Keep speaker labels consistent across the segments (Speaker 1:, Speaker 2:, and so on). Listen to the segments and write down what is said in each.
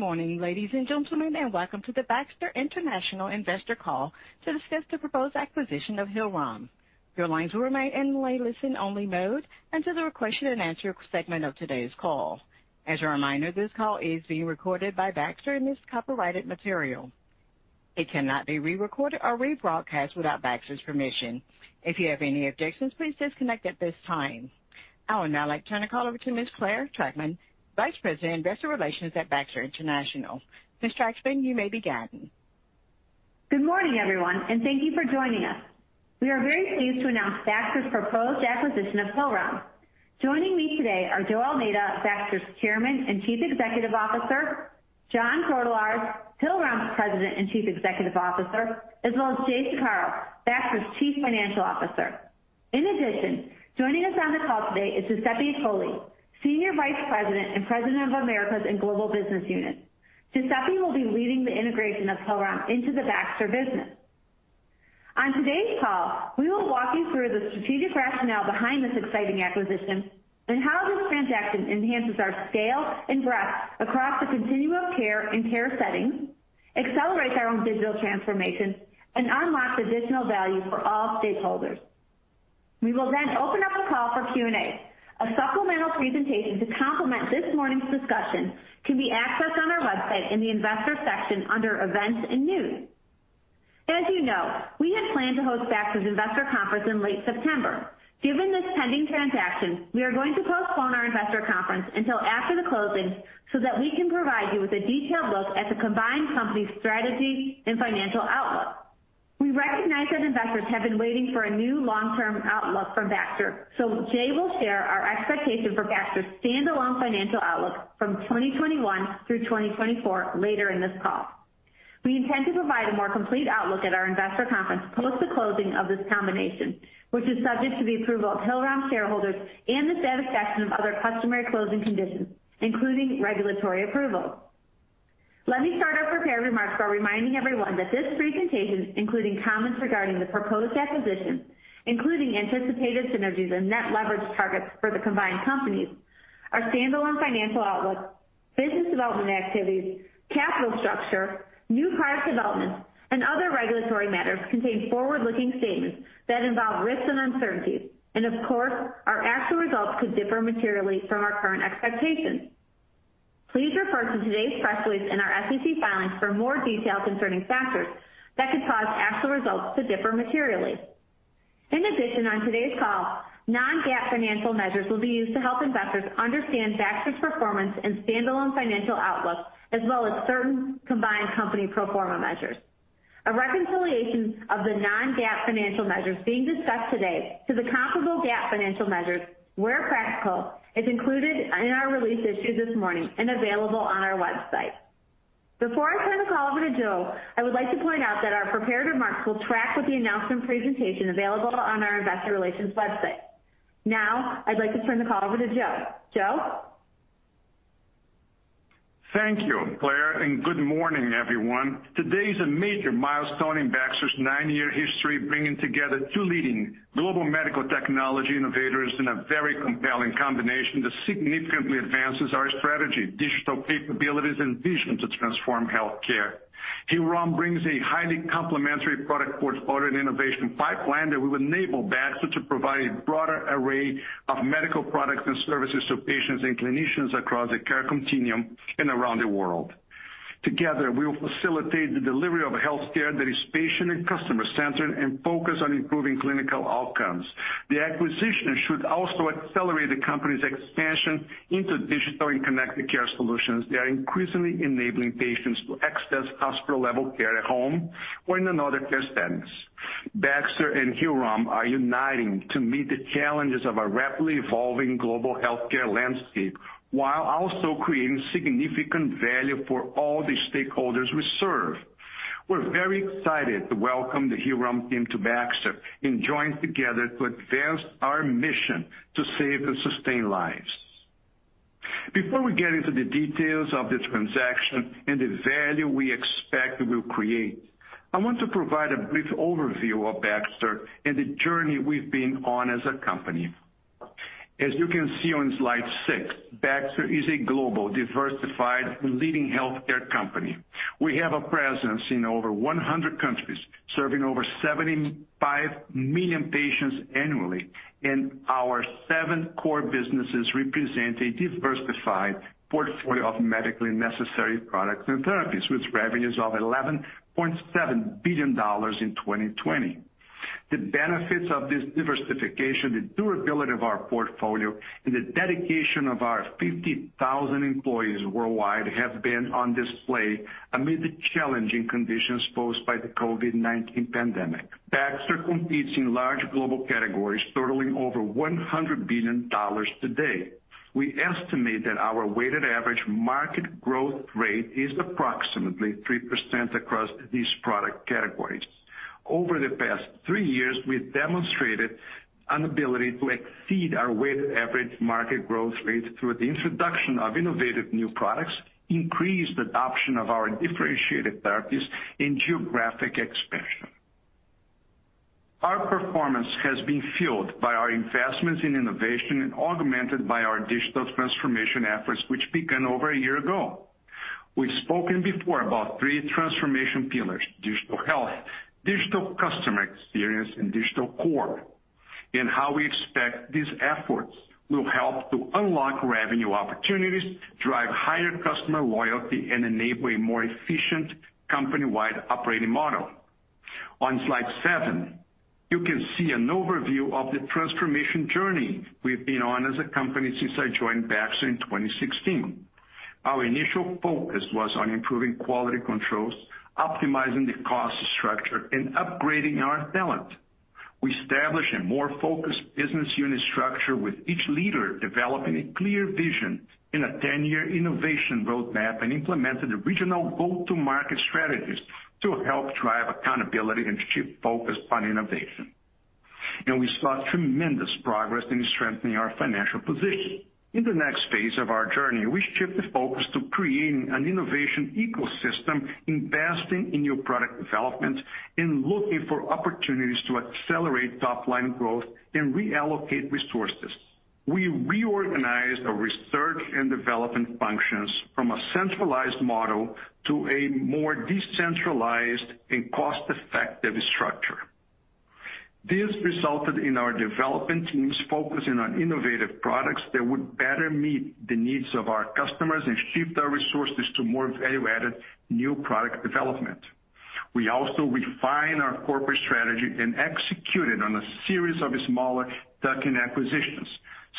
Speaker 1: Good morning, ladies and gentlemen, and welcome to the Baxter International Investor Call to discuss the proposed acquisition of Hillrom. Your lines will remain in listen-only mode until the question and answer segment of today's call. As a reminder, this call is being recorded by Baxter and is copyrighted material. It cannot be re-recorded or rebroadcast without Baxter's permission. If you have any objections, please disconnect at this time. I would now like to turn the call over to Ms. Clare Trachtman, Vice President, Investor Relations at Baxter International. Ms. Trachtman, you may begin.
Speaker 2: Good morning, everyone, and thank you for joining us. We are very pleased to announce Baxter's proposed acquisition of Hillrom. Joining me today are José E. Almeida, Baxter's Chairman and Chief Executive Officer, John P. Groetelaars, Hillrom's President and Chief Executive Officer, as well as Jay Saccaro, Baxter's Chief Financial Officer. In addition, joining us on the call today is Giuseppe Accogli, Senior Vice President and President of Americas and Global Business Unit. Giuseppe will be leading the integration of Hillrom into the Baxter business. On today's call, we will walk you through the strategic rationale behind this exciting acquisition and how this transaction enhances our scale and breadth across the continuum of care and care settings, accelerates our own digital transformation, and unlocks additional value for all stakeholders. We will then open up the call for Q&A. A supplemental presentation to complement this morning's discussion can be accessed on our website in the investor section under Events and News. As you know, we had planned to host Baxter's investor conference in late September. Given this pending transaction, we are going to postpone our investor conference until after the closing so that we can provide you with a detailed look at the combined company's strategy and financial outlook. We recognize that investors have been waiting for a new long-term outlook from Baxter. Jay will share our expectation for Baxter's standalone financial outlook from 2021 through 2024 later in this call. We intend to provide a more complete outlook at our investor conference post the closing of this combination, which is subject to the approval of Hillrom shareholders and the satisfaction of other customary closing conditions, including regulatory approval. Let me start our prepared remarks by reminding everyone that this presentation, including comments regarding the proposed acquisition, including anticipated synergies and net leverage targets for the combined companies, our standalone financial outlook, business development activities, capital structure, new product developments, and other regulatory matters contain forward-looking statements that involve risks and uncertainties. Of course, our actual results could differ materially from our current expectations. Please refer to today's press release and our SEC filings for more details concerning factors that could cause actual results to differ materially. In addition, on today's call, non-GAAP financial measures will be used to help investors understand Baxter's performance and standalone financial outlook as well as certain combined company pro forma measures. A reconciliation of the non-GAAP financial measures being discussed today to the comparable GAAP financial measures, where practical, is included in our release issued this morning and available on our website. Before I turn the call over to José E. Almeida, I would like to point out that our prepared remarks will track with the announcement presentation available on our investor relations website. Now, I'd like to turn the call over to Joe. Joe?
Speaker 3: Thank you, Clare, good morning, everyone. Today is a major milestone in Baxter's 90-year history, bringing together two leading global medical technology innovators in a very compelling combination that significantly advances our strategy, digital capabilities, and vision to transform healthcare. Hillrom brings a highly complementary product portfolio and innovation pipeline that will enable Baxter to provide a broader array of medical products and services to patients and clinicians across the care continuum and around the world. Together, we will facilitate the delivery of healthcare that is patient and customer-centered and focused on improving clinical outcomes. The acquisition should also accelerate the company's expansion into digital and Connected Care solutions that are increasingly enabling patients to access hospital-level care at home or in another care setting. Baxter and Hillrom are uniting to meet the challenges of a rapidly evolving global healthcare landscape while also creating significant value for all the stakeholders we serve. We're very excited to welcome the Hillrom team to Baxter and join together to advance our mission to save and sustain lives. Before we get into the details of this transaction and the value we expect it will create, I want to provide a brief overview of Baxter and the journey we've been on as a company. As you can see on slide six, Baxter is a global, diversified, leading healthcare company. We have a presence in over 100 countries, serving over 75 million patients annually, and our seven core businesses represent a diversified portfolio of medically necessary products and therapies with revenues of $11.7 billion in 2020. The benefits of this diversification, the durability of our portfolio, and the dedication of our 50,000 employees worldwide have been on display amid the challenging conditions posed by the COVID-19 pandemic. Baxter competes in large global categories totaling over $100 billion today. We estimate that our Weighted Average Market Growth Rate is approximately 3% across these product categories. Over the past three years, we've demonstrated an ability to exceed our Weighted Average Market Growth Rates through the introduction of innovative new products, increased adoption of our differentiated therapies, and geographic expansion. Our performance has been fueled by our investments in innovation and augmented by our digital transformation efforts, which began over one year ago. We've spoken before about three transformation pillars, digital health, digital customer experience, and digital core, and how we expect these efforts will help to unlock revenue opportunities, drive higher customer loyalty, and enable a more efficient company-wide operating model. On slide seven, you can see an overview of the transformation journey we've been on as a company since I joined Baxter in 2016. Our initial focus was on improving quality controls, optimizing the cost structure, and upgrading our talent. We established a more focused business unit structure with each leader developing a clear vision in a 10-year innovation roadmap and implemented regional go-to-market strategies to help drive accountability and keep focused on innovation. We saw tremendous progress in strengthening our financial position. In the next phase of our journey, we shift the focus to creating an innovation ecosystem, investing in new product development, and looking for opportunities to accelerate top-line growth and reallocate resources. We reorganized our research and development functions from a centralized model to a more decentralized and cost-effective structure. This resulted in our development teams focusing on innovative products that would better meet the needs of our customers and shift our resources to more value-added new product development. We also refined our corporate strategy and executed on a series of smaller tuck-in acquisitions.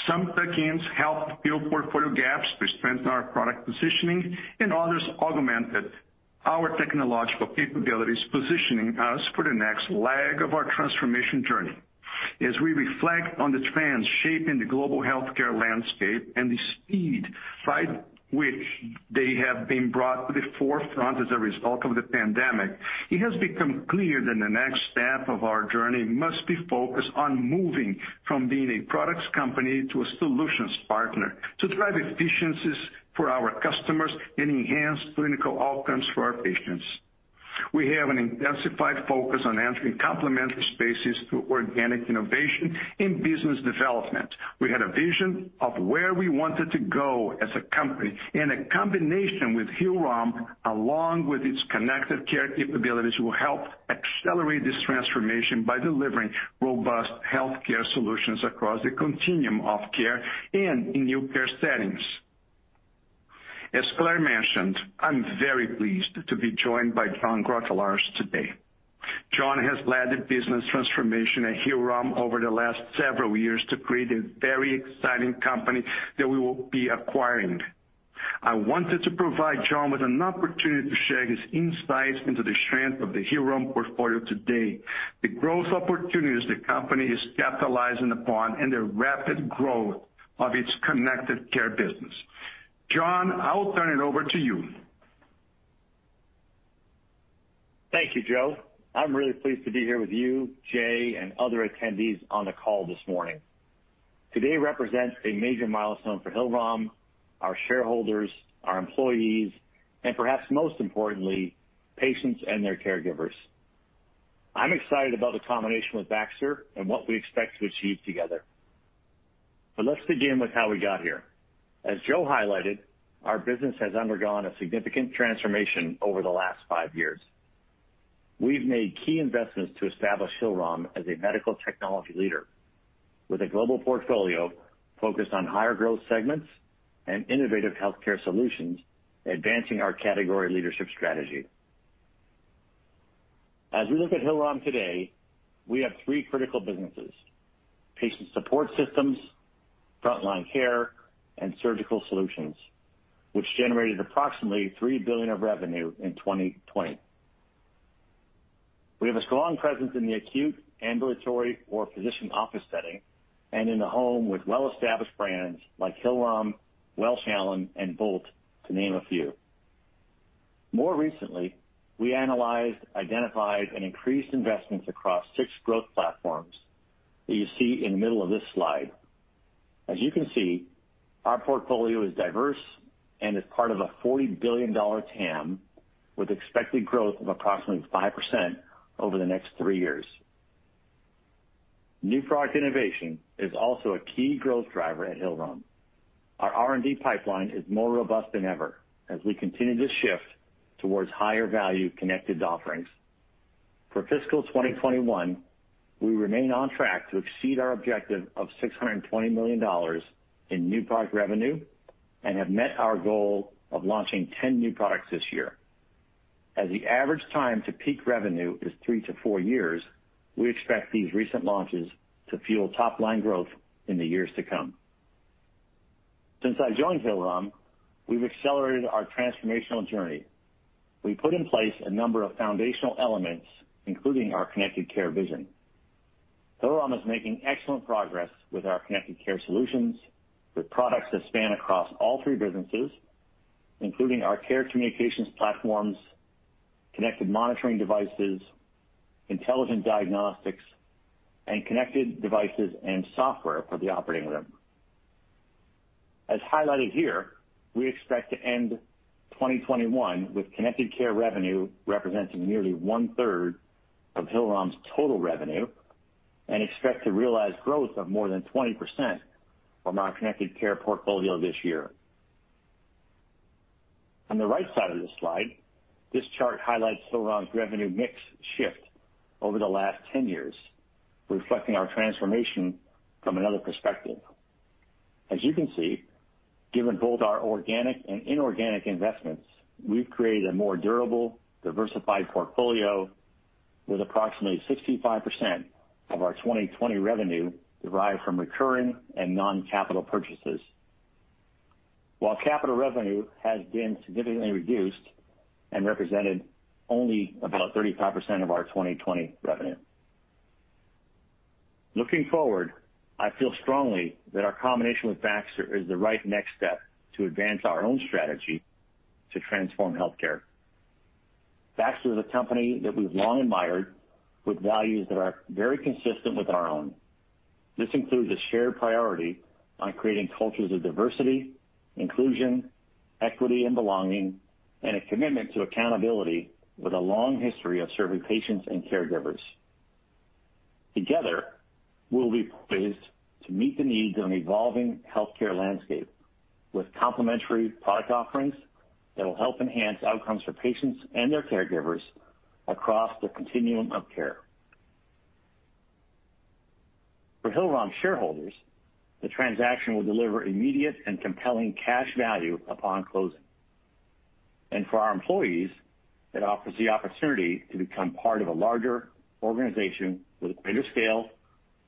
Speaker 3: Some tuck-ins helped fill portfolio gaps to strengthen our product positioning, and others augmented our technological capabilities, positioning us for the next leg of our transformation journey. As we reflect on the trends shaping the global healthcare landscape and the speed by which they have been brought to the forefront as a result of the pandemic, it has become clear that the next step of our journey must be focused on moving from being a products company to a solutions partner to drive efficiencies for our customers and enhance clinical outcomes for our patients. We have an intensified focus on entering complementary spaces through organic innovation and business development. We had a vision of where we wanted to go as a company, and a combination with Hillrom, along with its Connected Care capabilities, will help accelerate this transformation by delivering robust healthcare solutions across the continuum of care and in new care settings. As Clare mentioned, I'm very pleased to be joined by John Groetelaars today. John has led the business transformation at Hillrom over the last several years to create a very exciting company that we will be acquiring. I wanted to provide John with an opportunity to share his insights into the strength of the Hillrom portfolio today, the growth opportunities the company is capitalizing upon, and the rapid growth of its Connected Care business. John, I will turn it over to you.
Speaker 4: Thank you, Joe. I'm really pleased to be here with you, Jay, and other attendees on the call this morning. Today represents a major milestone for Hillrom, our shareholders, our employees, and perhaps most importantly, patients and their caregivers. I'm excited about the combination with Baxter and what we expect to achieve together. Let's begin with how we got here. As Joe highlighted, our business has undergone a significant transformation over the last five years. We've made key investments to establish Hillrom as a medical technology leader with a global portfolio focused on higher growth segments and innovative healthcare solutions, advancing our category leadership strategy. As we look at Hillrom today, we have three critical businesses, Patient Support Systems, Front Line Care, and Surgical Solutions, which generated approximately $3 billion of revenue in 2020. We have a strong presence in the acute, ambulatory, or physician office setting, and in the home with well-established brands like Hillrom, Welch Allyn, and Voalte, to name a few. More recently, we analyzed, identified, and increased investments across six growth platforms that you see in the middle of this slide. As you can see, our portfolio is diverse and is part of a $40 billion TAM with expected growth of approximately 5% over the next three years. New product innovation is also a key growth driver at Hillrom. Our R&D pipeline is more robust than ever as we continue to shift towards higher value connected offerings. For fiscal 2021, we remain on track to exceed our objective of $620 million in new product revenue and have met our goal of launching 10 new products this year. As the average time to peak revenue is three to four years, we expect these recent launches to fuel top-line growth in the years to come. Since I joined Hillrom, we've accelerated our transformational journey. We put in place a number of foundational elements, including our Connected Care vision. Hillrom is making excellent progress with our Connected Care solutions, with products that span across all three businesses, including our care communications platforms, connected monitoring devices, intelligent diagnostics, and connected devices and software for the operating room. As highlighted here, we expect to end 2021 with Connected Care revenue representing nearly one-third of Hillrom's total revenue and expect to realize growth of more than 20% from our Connected Care portfolio this year. On the right side of this slide, this chart highlights Hillrom's revenue mix shift over the last 10 years, reflecting our transformation from another perspective. As you can see, given both our organic and inorganic investments, we've created a more durable, diversified portfolio with approximately 65% of our 2020 revenue derived from recurring and non-capital purchases. While capital revenue has been significantly reduced and represented only about 35% of our 2020 revenue. Looking forward, I feel strongly that our combination with Baxter is the right next step to advance our own strategy to transform healthcare. Baxter is a company that we've long admired with values that are very consistent with our own. This includes a shared priority on creating cultures of diversity, inclusion, equity, and belonging, and a commitment to accountability with a long history of serving patients and caregivers. Together, we'll be poised to meet the needs of an evolving healthcare landscape with complementary product offerings that will help enhance outcomes for patients and their caregivers across the continuum of care. For Hillrom shareholders, the transaction will deliver immediate and compelling cash value upon closing, and for our employees, it offers the opportunity to become part of a larger organization with greater scale,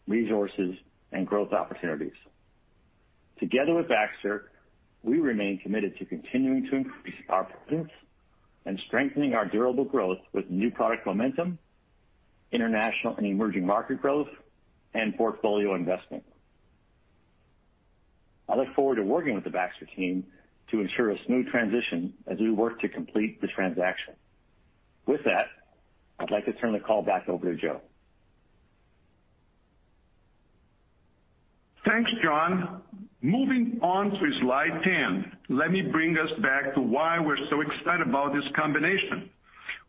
Speaker 4: resources, and growth opportunities. Together with Baxter, we remain committed to continuing to increase our presence and strengthening our durable growth with new product momentum, international and emerging market growth, and portfolio investment. I look forward to working with the Baxter team to ensure a smooth transition as we work to complete the transaction. With that, I'd like to turn the call back over to Joe.
Speaker 3: Thanks, John. Moving on to slide 10, let me bring us back to why we're so excited about this combination.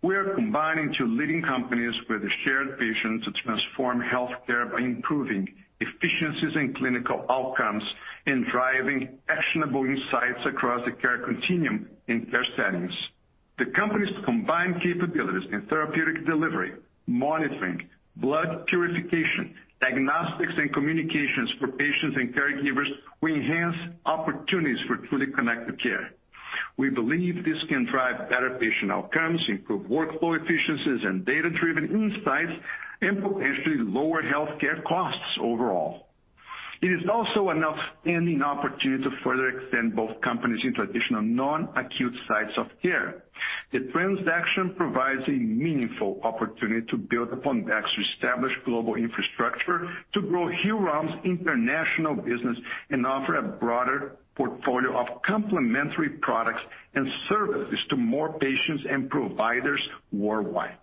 Speaker 3: We are combining two leading companies with a shared vision to transform healthcare by improving efficiencies in clinical outcomes and driving actionable insights across the care continuum in care settings. The company's combined capabilities in therapeutic delivery, monitoring, blood purification, diagnostics, and communications for patients and caregivers will enhance opportunities for truly Connected Care. We believe this can drive better patient outcomes, improve workflow efficiencies and data-driven insights, and potentially lower healthcare costs overall. It is also an outstanding opportunity to further extend both companies into additional non-acute sites of care. The transaction provides a meaningful opportunity to build upon Baxter's established global infrastructure to grow Hillrom's international business and offer a broader portfolio of complementary products and services to more patients and providers worldwide.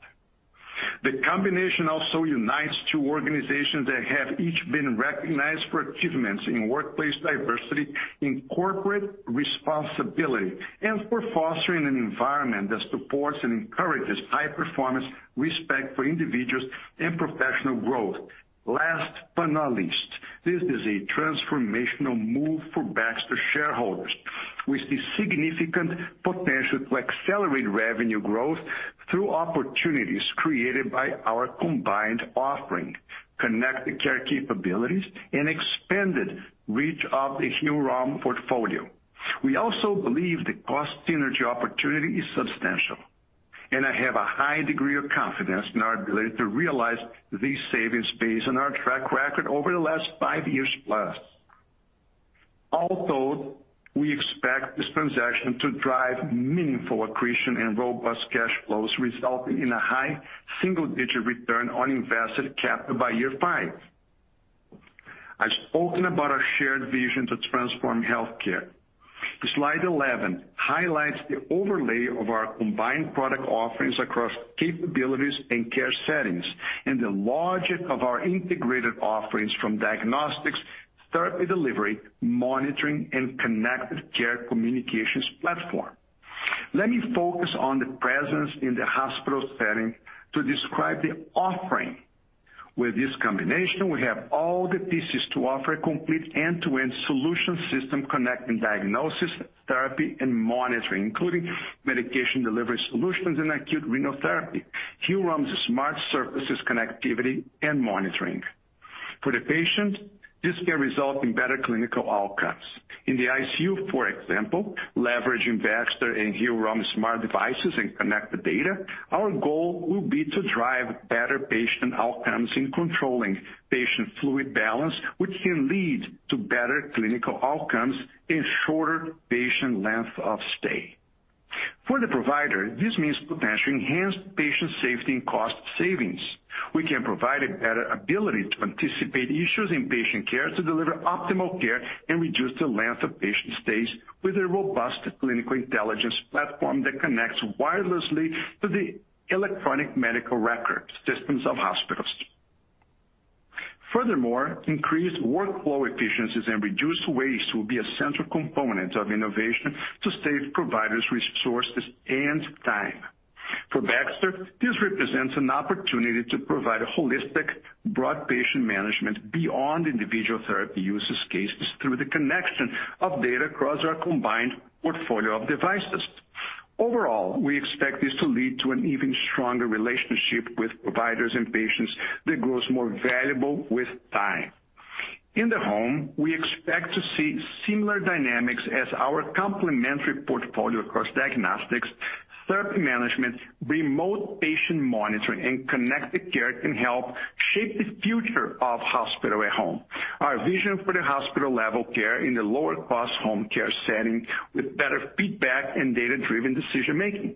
Speaker 3: The combination also unites two organizations that have each been recognized for achievements in workplace diversity, in corporate responsibility, and for fostering an environment that supports and encourages high performance, respect for individuals, and professional growth. This is a transformational move for Baxter shareholders, with the significant potential to accelerate revenue growth through opportunities created by our combined offering, Connected Care capabilities, and expanded reach of the Hillrom portfolio. We also believe the cost synergy opportunity is substantial, and I have a high degree of confidence in our ability to realize these savings based on our track record over the last five years plus. Although we expect this transaction to drive meaningful accretion and robust cash flows, resulting in a high single-digit return on invested capital by year five. I've spoken about our shared vision to transform healthcare. Slide 11 highlights the overlay of our combined product offerings across capabilities and care settings and the logic of our integrated offerings from diagnostics, therapy delivery, monitoring, and connected care communications platform. Let me focus on the presence in the hospital setting to describe the offering. With this combination, we have all the pieces to offer a complete end-to-end solution system connecting diagnosis, therapy, and monitoring, including medication delivery solutions and acute renal therapy. Hillrom's smart surfaces connectivity and monitoring. For the patient, this can result in better clinical outcomes. In the ICU, for example, leveraging Baxter and Hillrom smart devices and connected data, our goal will be to drive better patient outcomes in controlling patient fluid balance, which can lead to better clinical outcomes and shorter patient length of stay. For the provider, this means potentially enhanced patient safety and cost savings. We can provide a better ability to anticipate issues in patient care, to deliver optimal care, and reduce the length of patient stays with a robust clinical intelligence platform that connects wirelessly to the electronic medical record systems of hospitals. Furthermore, increased workflow efficiencies and reduced waste will be a central component of innovation to save providers resources and time. For Baxter, this represents an opportunity to provide a holistic, broad patient management beyond individual therapy uses cases through the connection of data across our combined portfolio of devices. Overall, we expect this to lead to an even stronger relationship with providers and patients that grows more valuable with time. In the home, we expect to see similar dynamics as our complementary portfolio across diagnostics, therapy management, remote patient monitoring, and Connected Care can help shape the future of hospital at home. Our vision for the hospital-level care in the lower cost home care setting with better feedback and data-driven decision making.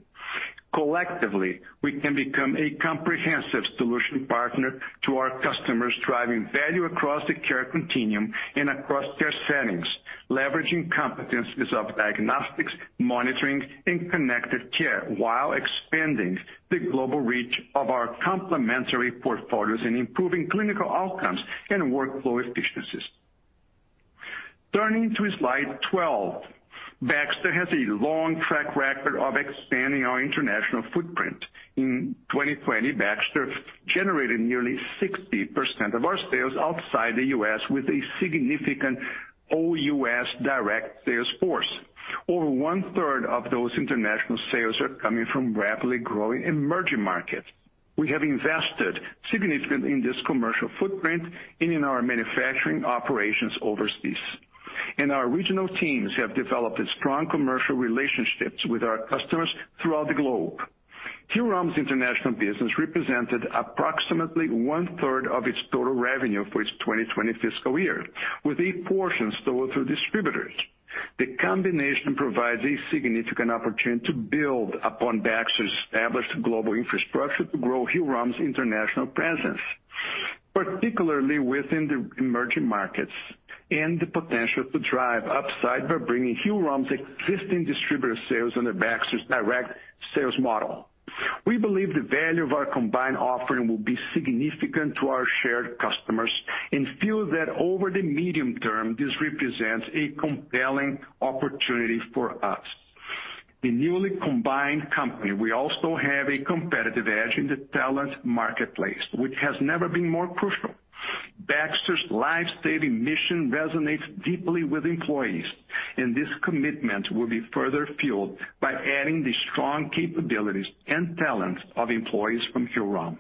Speaker 3: Collectively, we can become a comprehensive solution partner to our customers, driving value across the care continuum and across care settings, leveraging competencies of diagnostics, monitoring, and Connected Care while expanding the global reach of our complementary portfolios and improving clinical outcomes and workflow efficiencies. Turning to slide 12. Baxter has a long track record of expanding our international footprint. In 2020, Baxter generated nearly 60% of our sales outside the U.S. with a significant OUS direct sales force. Over one-third of those international sales are coming from rapidly growing emerging markets. We have invested significantly in this commercial footprint and in our manufacturing operations overseas. Our regional teams have developed strong commercial relationships with our customers throughout the globe. Hillrom's international business represented approximately one-third of its total revenue for its 2020 fiscal year, with a portion sold through distributors. The combination provides a significant opportunity to build upon Baxter's established global infrastructure to grow Hillrom's international presence, particularly within the emerging markets and the potential to drive upside by bringing Hillrom's existing distributor sales under Baxter's direct sales model. We believe the value of our combined offering will be significant to our shared customers and feel that over the medium term, this represents a compelling opportunity for us. The newly combined company, we also have a competitive edge in the talent marketplace, which has never been more crucial. Baxter's life-saving mission resonates deeply with employees, and this commitment will be further fueled by adding the strong capabilities and talents of employees from Hillrom.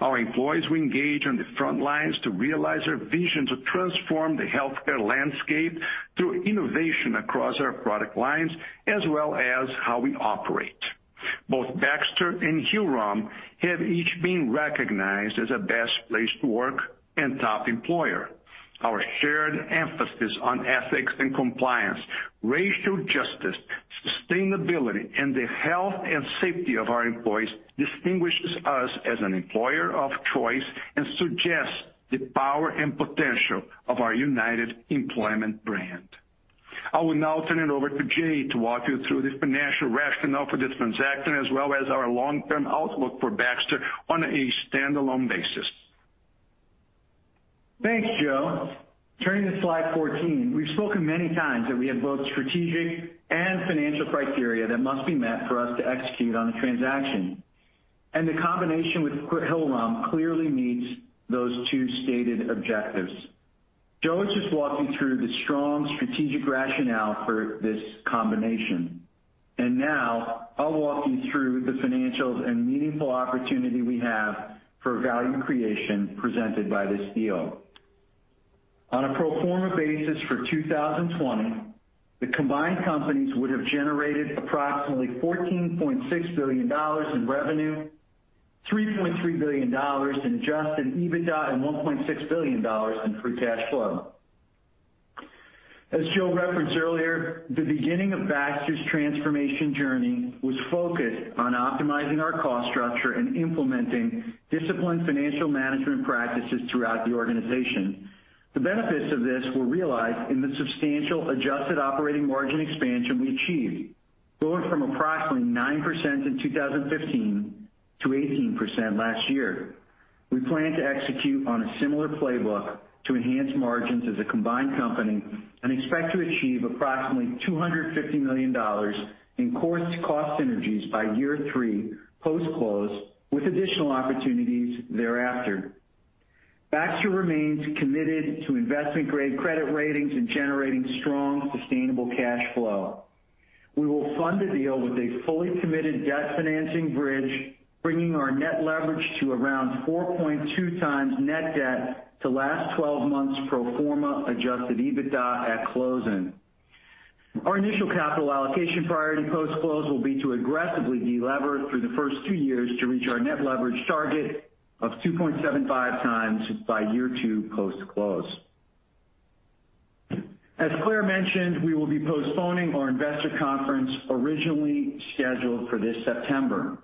Speaker 3: Our employees will engage on the front lines to realize our vision to transform the healthcare landscape through innovation across our product lines, as well as how we operate. Both Baxter and Hillrom have each been recognized as a best place to work and top employer. Our shared emphasis on ethics and compliance, racial justice, sustainability, and the health and safety of our employees distinguishes us as an employer of choice and suggests the power and potential of our united employment brand. I will now turn it over to Jay to walk you through the financial rationale for this transaction, as well as our long-term outlook for Baxter on a standalone basis.
Speaker 5: Thanks, Joe. Turning to slide 14. We've spoken many times that we have both strategic and financial criteria that must be met for us to execute on the transaction. The combination with Hillrom clearly meets those two stated objectives. Joe has just walked you through the strong strategic rationale for this combination. Now I'll walk you through the financials and meaningful opportunity we have for value creation presented by this deal. On a pro forma basis for 2020, the combined companies would have generated approximately $14.6 billion in revenue, $3.3 billion in Adjusted EBITDA, and $1.6 billion in free cash flow. As Joe referenced earlier, the beginning of Baxter's transformation journey was focused on optimizing our cost structure and implementing disciplined financial management practices throughout the organization. The benefits of this were realized in the substantial adjusted operating margin expansion we achieved, going from approximately 9% in 2015 to 18% last year. We plan to execute on a similar playbook to enhance margins as a combined company and expect to achieve approximately $250 million in cost synergies by year three post-close, with additional opportunities thereafter. Baxter remains committed to investment-grade credit ratings and generating strong, sustainable cash flow. We will fund the deal with a fully committed debt financing bridge, bringing our net leverage to around 4.2x net debt to last 12 months pro forma Adjusted EBITDA at closing. Our initial capital allocation priority post-close will be to aggressively de-lever through the first two years to reach our net leverage target of 2.75 times by year two post-close. As Clare mentioned, we will be postponing our investor conference originally scheduled for this September.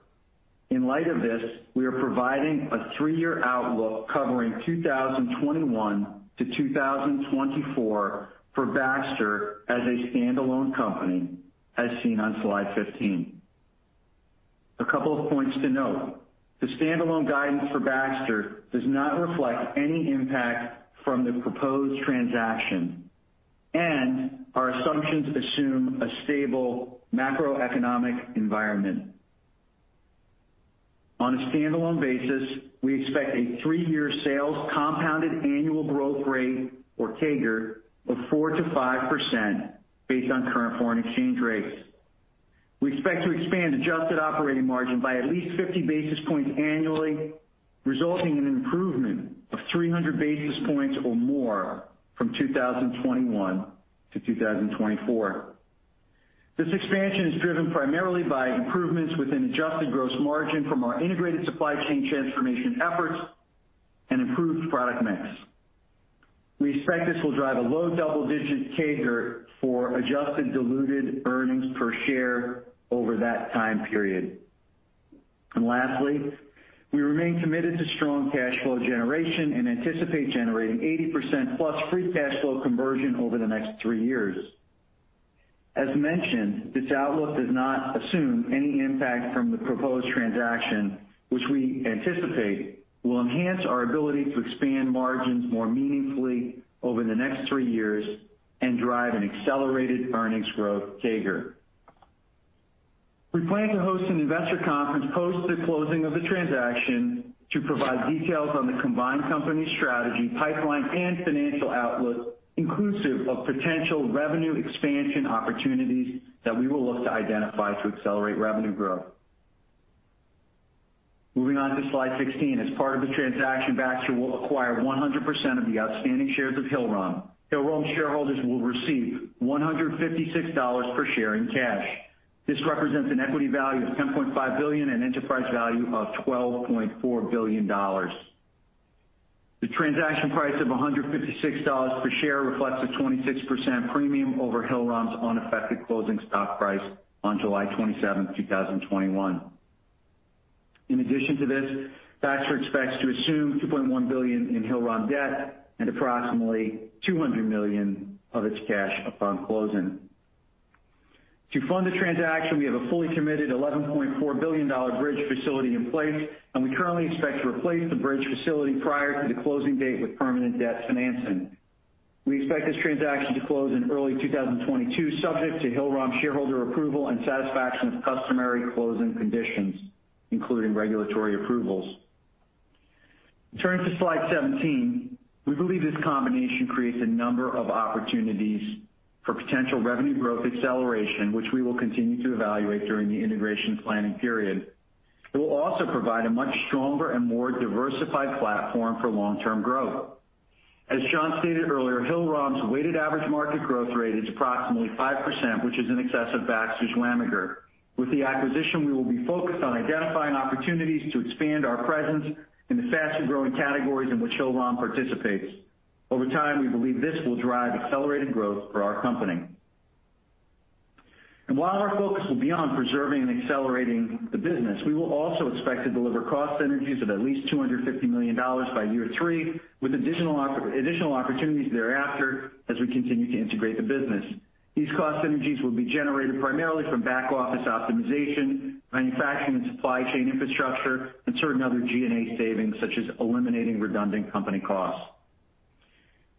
Speaker 5: In light of this, we are providing a three-year outlook covering 2021-2024 for Baxter as a standalone company, as seen on slide 15. A couple of points to note. The standalone guidance for Baxter does not reflect any impact from the proposed transaction, and our assumptions assume a stable macroeconomic environment. On a standalone basis, we expect a three-year sales compounded annual growth rate, or CAGR, of 4%-5%, based on current foreign exchange rates. We expect to expand adjusted operating margin by at least 50 basis points annually, resulting in an improvement of 300 basis points or more from 2021-2024. This expansion is driven primarily by improvements within adjusted gross margin from our integrated supply chain transformation efforts and improved product mix. We expect this will drive a low double-digit CAGR for adjusted diluted earnings per share over that time period. Lastly, we remain committed to strong cash flow generation and anticipate generating 80%+ free cash flow conversion over the next three years. As mentioned, this outlook does not assume any impact from the proposed transaction, which we anticipate will enhance our ability to expand margins more meaningfully over the next three years and drive an accelerated earnings growth CAGR. We plan to host an investor conference post the closing of the transaction to provide details on the combined company strategy, pipeline, and financial outlook, inclusive of potential revenue expansion opportunities that we will look to identify to accelerate revenue growth. Moving on to slide 16. As part of the transaction, Baxter will acquire 100% of the outstanding shares of Hillrom. Hillrom shareholders will receive $156 per share in cash. This represents an equity value of $10.5 billion and enterprise value of $12.4 billion. The transaction price of $156 per share reflects a 26% premium over Hillrom's unaffected closing stock price on July 27th, 2021. In addition to this, Baxter expects to assume $2.1 billion in Hillrom debt and approximately $200 million of its cash upon closing. To fund the transaction, we have a fully committed $11.4 billion bridge facility in place, and we currently expect to replace the bridge facility prior to the closing date with permanent debt financing. We expect this transaction to close in early 2022, subject to Hillrom shareholder approval and satisfaction of customary closing conditions, including regulatory approvals. Turning to slide 17. We believe this combination creates a number of opportunities for potential revenue growth acceleration, which we will continue to evaluate during the integration planning period. It will also provide a much stronger and more diversified platform for long-term growth. As Joe stated earlier, Hillrom's Weighted Average Market Growth Rate is approximately 5%, which is in excess of Baxter's WAMAGR. With the acquisition, we will be focused on identifying opportunities to expand our presence in the faster-growing categories in which Hillrom participates. Over time, we believe this will drive accelerated growth for our company. While our focus will be on preserving and accelerating the business, we will also expect to deliver cost synergies of at least $250 million by year three, with additional opportunities thereafter as we continue to integrate the business. These cost synergies will be generated primarily from back-office optimization, manufacturing and supply chain infrastructure, and certain other G&A savings, such as eliminating redundant company costs.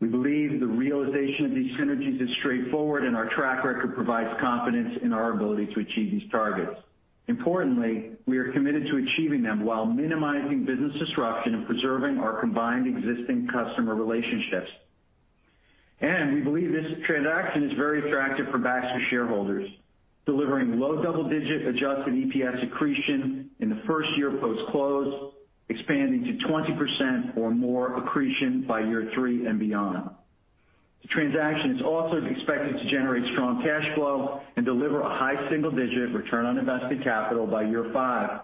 Speaker 5: We believe the realization of these synergies is straightforward, and our track record provides confidence in our ability to achieve these targets. Importantly, we are committed to achieving them while minimizing business disruption and preserving our combined existing customer relationships. We believe this transaction is very attractive for Baxter shareholders, delivering low double-digit adjusted EPS accretion in the first year post-close, expanding to 20% or more accretion by year three and beyond. The transaction is also expected to generate strong cash flow and deliver a high single-digit return on invested capital by year five.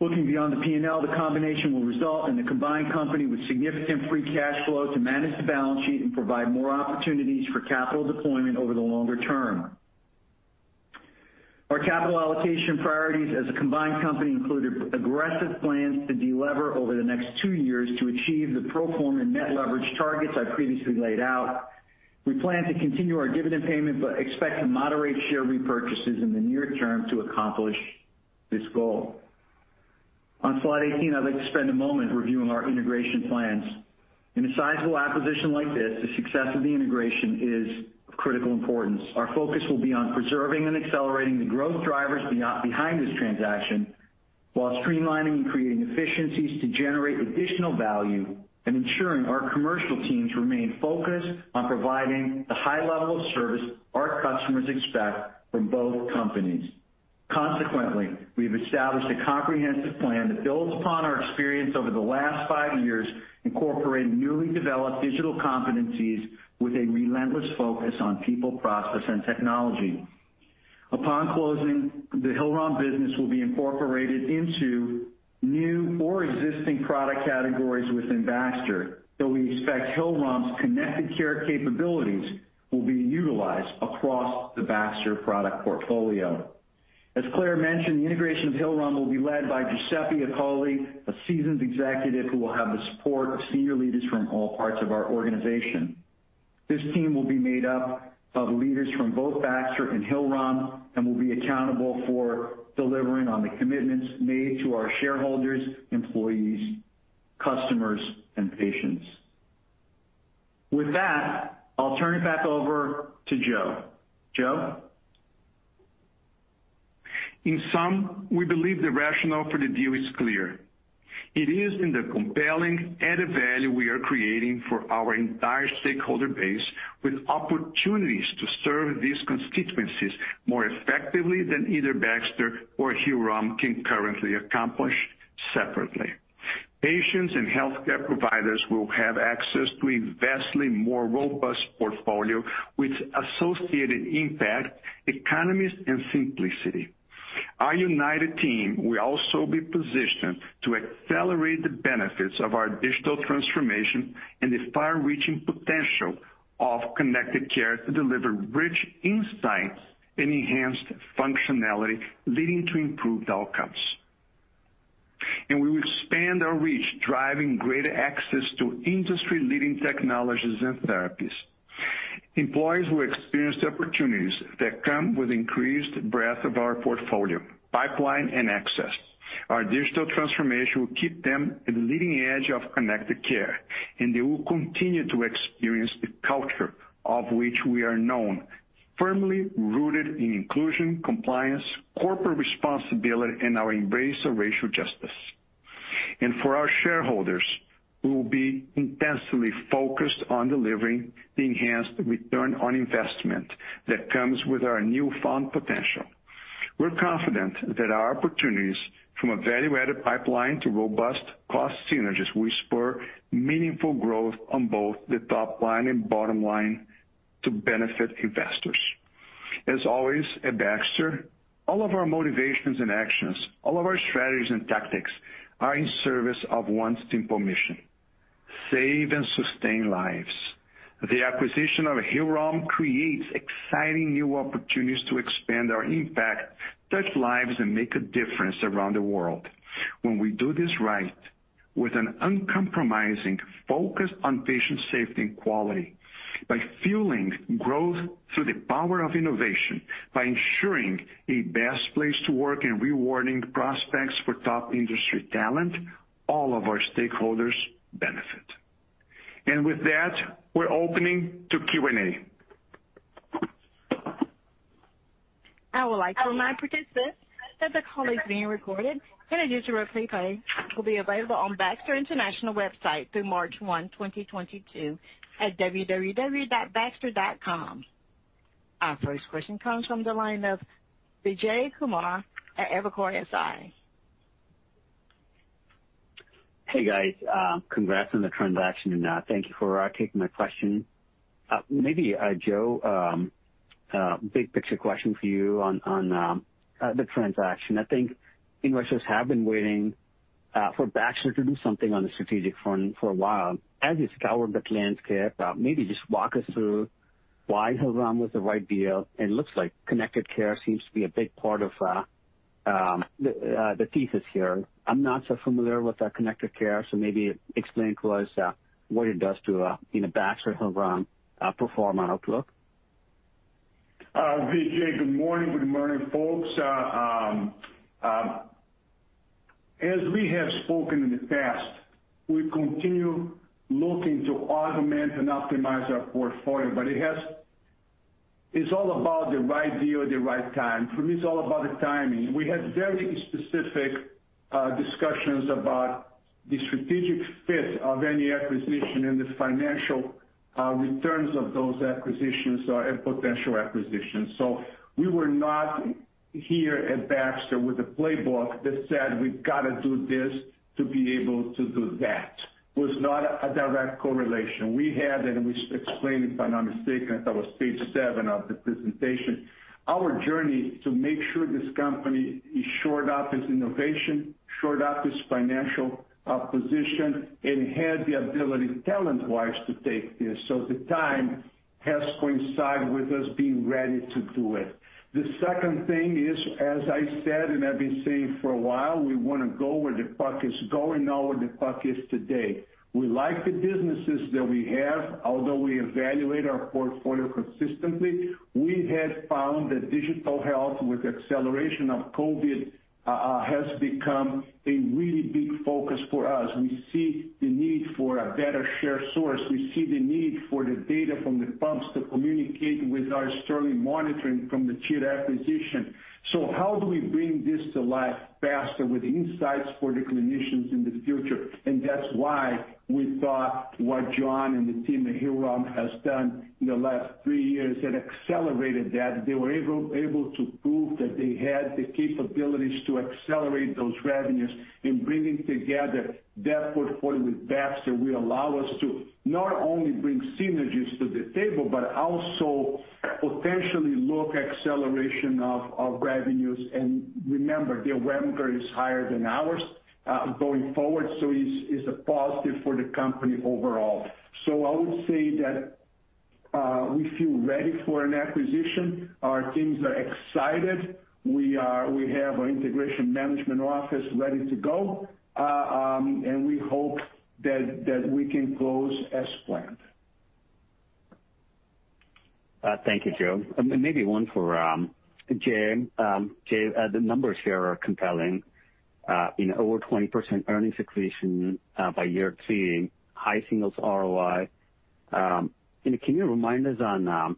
Speaker 5: Looking beyond the P&L, the combination will result in the combined company with significant free cash flow to manage the balance sheet and provide more opportunities for capital deployment over the longer term. Our capital allocation priorities as a combined company include aggressive plans to de-lever over the next two years to achieve the pro forma net leverage targets I previously laid out. We plan to continue our dividend payment but expect to moderate share repurchases in the near term to accomplish this goal. On slide 18, I'd like to spend a moment reviewing our integration plans. In a sizable acquisition like this, the success of the integration is of critical importance. Our focus will be on preserving and accelerating the growth drivers behind this transaction while streamlining and creating efficiencies to generate additional value and ensuring our commercial teams remain focused on providing the high level of service our customers expect from both companies. Consequently, we have established a comprehensive plan that builds upon our experience over the last five years, incorporating newly developed digital competencies with a relentless focus on people, process, and technology. Upon closing, the Hillrom business will be incorporated into new or existing product categories within Baxter, though we expect Hillrom's Connected Care capabilities will be utilized across the Baxter product portfolio. As Clare mentioned, the integration of Hillrom will be led by Giuseppe Accogli, a seasoned executive who will have the support of senior leaders from all parts of our organization. This team will be made up of leaders from both Baxter and Hillrom and will be accountable for delivering on the commitments made to our shareholders, employees, customers, and patients. With that, I'll turn it back over to Joe. Joe?
Speaker 3: In sum, we believe the rationale for the deal is clear. It is in the compelling added value we are creating for our entire stakeholder base with opportunities to serve these constituencies more effectively than either Baxter or Hillrom can currently accomplish separately. Patients and healthcare providers will have access to a vastly more robust portfolio with associated impact, economies, and simplicity. Our united team will also be positioned to accelerate the benefits of our digital transformation and the far-reaching potential of Connected Care to deliver rich insights and enhanced functionality, leading to improved outcomes. We will expand our reach, driving greater access to industry-leading technologies and therapies. Employees will experience the opportunities that come with increased breadth of our portfolio, pipeline, and access. Our digital transformation will keep them at the leading edge of Connected Care, and they will continue to experience the culture of which we are known, firmly rooted in inclusion, compliance, corporate responsibility, and our embrace of racial justice. For our shareholders, we will be intensely focused on delivering the enhanced return on investment that comes with our newfound potential. We're confident that our opportunities, from a value-added pipeline to robust cost synergies, will spur meaningful growth on both the top line and bottom line to benefit investors. As always, at Baxter, all of our motivations and actions, all of our strategies and tactics are in service of one simple mission: Save and sustain lives. The acquisition of Hillrom creates exciting new opportunities to expand our impact, touch lives, and make a difference around the world. When we do this right, with an uncompromising focus on patient safety and quality, by fueling growth through the power of innovation, by ensuring a best place to work and rewarding prospects for top industry talent, all of our stakeholders benefit. With that, we're opening to Q&A.
Speaker 1: I would like to remind participants that the call is being recorded and a digital replay will be available on Baxter International website through March 1st, 2022 at www.baxter.com. Our first question comes from the line of Vijay Kumar at Evercore ISI.
Speaker 6: Hey, guys. Congrats on the transaction, and thank you for taking my question. Maybe, Joe, big picture question for you on the transaction. I think investors have been waiting for Baxter to do something on the strategic front for a while. As you scour the landscape, maybe just walk us through why Hillrom was the right deal. It looks like Connected Care seems to be a big part of the thesis here. I'm not so familiar with Connected Care, so maybe explain to us what it does to Baxter, Hillrom pro forma outlook.
Speaker 3: Vijay, good morning. Good morning, folks. As we have spoken in the past, we continue looking to augment and optimize our portfolio. It's all about the right deal at the right time. For me, it's all about the timing. We had very specific discussions about the strategic fit of any acquisition and the financial returns of those acquisitions or potential acquisitions. We were not here at Baxter with a playbook that said, "We've got to do this to be able to do that." It was not a direct correlation. We had, and we explained, if I'm not mistaken, I thought it was page seven of the presentation, our journey to make sure this company is shored up its innovation, shored up its financial position, and had the ability, talent-wise, to take this. The time has coincided with us being ready to do it. The second thing is, as I said and I've been saying for a while, we want to go where the puck is going, not where the puck is today. We like the businesses that we have. Although we evaluate our portfolio consistently, we have found that digital health with acceleration of COVID has become a really big focus for us. We see the need for a better share source. We see the need for the data from the pumps to communicate with our Starling monitoring from the Cheetah acquisition. How do we bring this to life faster with insights for the clinicians in the future? That's why we thought what John and the team at Hillrom has done in the last three years had accelerated that. They were able to prove that they had the capabilities to accelerate those revenues. In bringing together that portfolio with Baxter will allow us to not only bring synergies to the table, but also potentially look acceleration of revenues. Remember, their WAMAGR is higher than ours going forward, so it's a positive for the company overall. I would say that we feel ready for an acquisition. Our teams are excited. We have our integration management office ready to go. We hope that we can close as planned.
Speaker 6: Thank you, Joe. Maybe one for Jay. Jay, the numbers here are compelling. Over 20% earnings accretion by year three, high singles ROI. Can you remind us on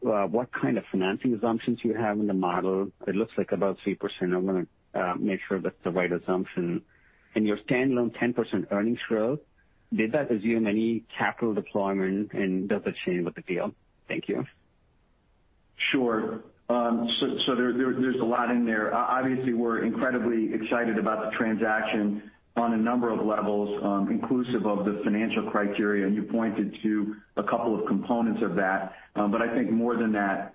Speaker 6: what kind of financing assumptions you have in the model? It looks like about 3%. I want to make sure that's the right assumption. Your standalone 10% earnings growth, did that assume any capital deployment, and does that change with the deal? Thank you.
Speaker 5: Sure. There's a lot in there. Obviously, we're incredibly excited about the transaction on a number of levels, inclusive of the financial criteria. You pointed to a couple of components of that. I think more than that,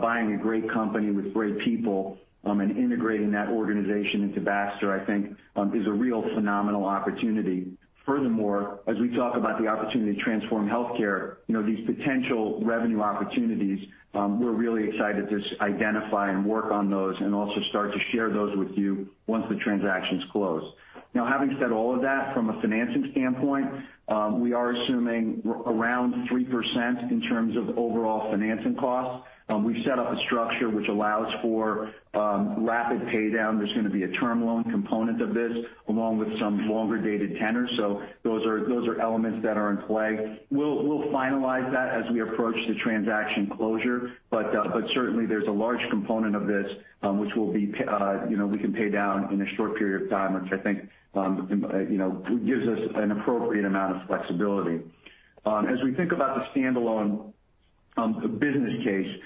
Speaker 5: buying a great company with great people and integrating that organization into Baxter, I think is a real phenomenal opportunity. Furthermore, as we talk about the opportunity to transform healthcare, these potential revenue opportunities, we're really excited to identify and work on those and also start to share those with you once the transaction's closed. Having said all of that from a financing standpoint, we are assuming around 3% in terms of overall financing costs. We've set up a structure which allows for rapid paydown. There's going to be a term loan component of this, along with some longer-dated tenors. Those are elements that are in play. We'll finalize that as we approach the transaction closure, certainly there's a large component of this which we can pay down in a short period of time, which I think gives us an appropriate amount of flexibility. As we think about the standalone business case,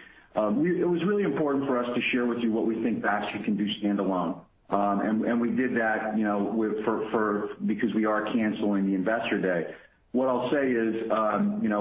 Speaker 5: it was really important for us to share with you what we think Baxter can do standalone. We did that because we are canceling the Investor Day. What I'll say is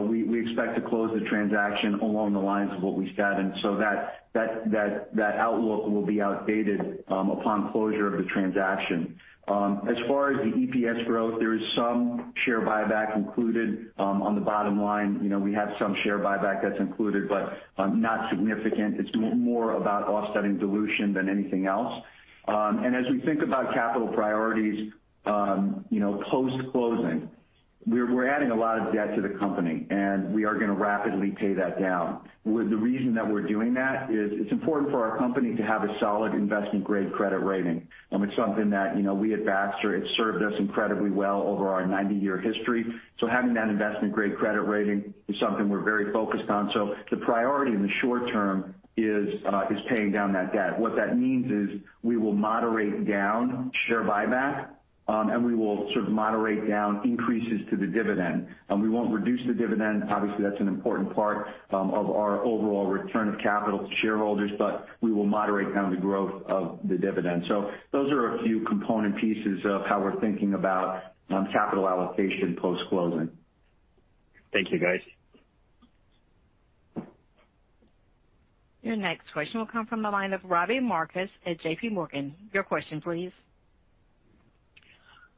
Speaker 5: we expect to close the transaction along the lines of what we've guided. That outlook will be outdated upon closure of the transaction. As far as the EPS growth, there is some share buyback included on the bottom line. We have some share buyback that's included, but not significant. It's more about offsetting dilution than anything else. As we think about capital priorities, post-closing, we're adding a lot of debt to the company, and we are going to rapidly pay that down. The reason that we're doing that is it's important for our company to have a solid investment-grade credit rating. It's something that we at Baxter, it's served us incredibly well over our 90-year history. Having that investment-grade credit rating is something we're very focused on. The priority in the short term is paying down that debt. What that means is we will moderate down share buyback, and we will sort of moderate down increases to the dividend. We won't reduce the dividend. Obviously, that's an important part of our overall return of capital to shareholders, but we will moderate down the growth of the dividend. Those are a few component pieces of how we're thinking about capital allocation post-closing.
Speaker 6: Thank you, guys.
Speaker 1: Your next question will come from the line of Robbie Marcus at JPMorgan. Your question, please.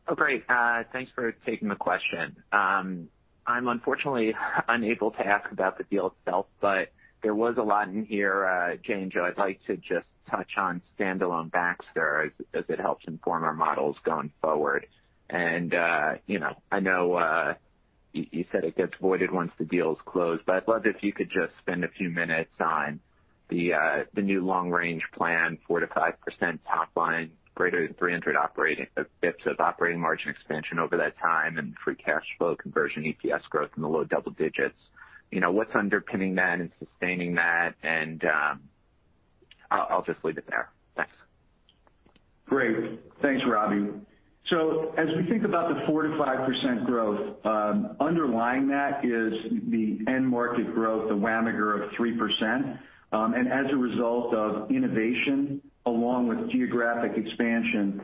Speaker 7: Oh, great. Thanks for taking the question. I'm unfortunately unable to ask about the deal itself, but there was a lot in here, Jay and Joe, I'd like to just touch on standalone Baxter as it helps inform our models going forward. I know you said it gets voided once the deal is closed, but I'd love if you could just spend a few minutes on the new long-range plan, 4%-5% top line, greater than 300 basis points of operating margin expansion over that time and free cash flow conversion, EPS growth in the low double digits. What's underpinning that and sustaining that? I'll just leave it there. Thanks.
Speaker 5: Great. Thanks, Robbie. As we think about the 4%-5% growth, underlying that is the end market growth, the WAMAGR of 3%. As a result of innovation, along with geographic expansion,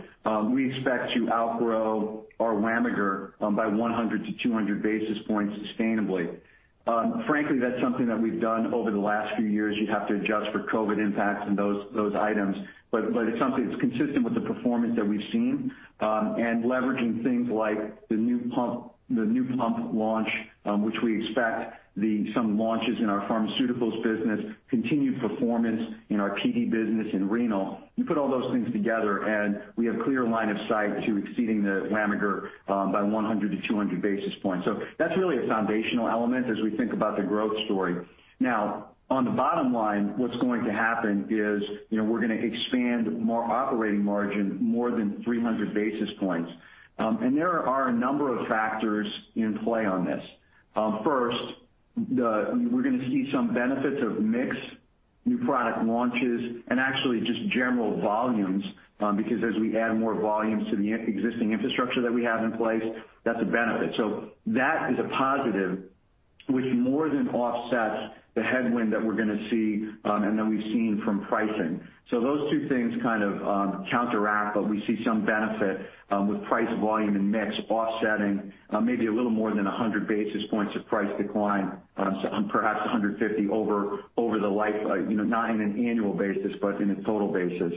Speaker 5: we expect to outgrow our WAMAGR by 100-200 basis points sustainably. Frankly, that's something that we've done over the last few years. You'd have to adjust for COVID impacts and those items. It's something that's consistent with the performance that we've seen and leveraging things like the new pump launch, which we expect some launches in our pharmaceuticals business, continued performance in our PD business in renal. You put all those things together, and we have clear line of sight to exceeding the WAMAGR by 100-200 basis points. That's really a foundational element as we think about the growth story. On the bottom line, what's going to happen is we're going to expand more operating margin more than 300 basis points. There are a number of factors in play on this. First, we're going to see some benefits of mix, new product launches, and actually just general volumes, because as we add more volumes to the existing infrastructure that we have in place, that's a benefit. That is a positive which more than offsets the headwind that we're going to see and that we've seen from pricing. Those two things kind of counteract, but we see some benefit with price volume and mix offsetting maybe a little more than 100 basis points of price decline, perhaps 150 over the life, not in an annual basis, but in a total basis.